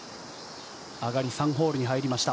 上がり３ホールに入りました。